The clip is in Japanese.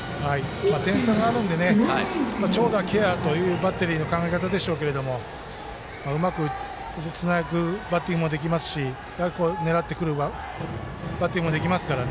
点差があるんで長打ケアというバッテリーの考え方でしょうけどうまくつなぐバッティングもできますしやはり、狙ってくるバッティングもできますから。